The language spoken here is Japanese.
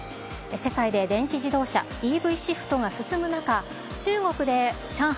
世界で電気自動車・ＥＶシフトが進む中、中国で上海